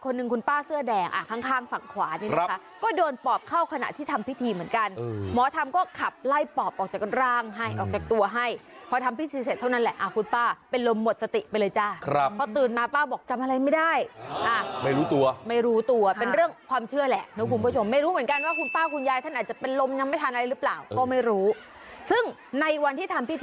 กันหมอทำก็ขับไล่ปอบออกจากก็ร่างให้ออกจากตัวให้พอทำพิธีเสร็จเท่านั้นแหละอ่าคุณป้าเป็นลมหมดสติไปเลยจ้าครับพอตื่นมาป้าบอกจำอะไรไม่ได้อ่าไม่รู้ตัวไม่รู้ตัวเป็นเรื่องความเชื่อแหละนะคุณผู้ชมไม่รู้เหมือนกันว่าคุณป้าคุณยายท่านอาจจะเป็นลมยังไม่ทานอะไรหรือเปล่าก็ไม่รู้ซึ่งในวัน